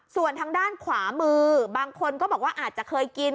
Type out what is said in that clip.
ส่วนทางด้านขวามือบางคนก็บอกว่าอาจจะเคยกิน